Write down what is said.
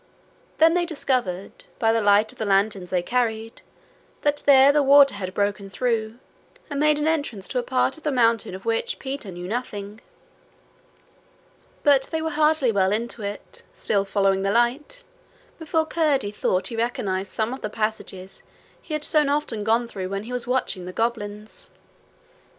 Then they discovered, by the light of the lanterns they carried, that there the water had broken through, and made an entrance to a part of the mountain of which Peter knew nothing. But they were hardly well into it, still following the light, before Curdie thought he recognized some of the passages he had so often gone through when he was watching the goblins.